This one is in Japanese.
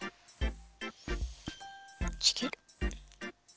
ちぎる。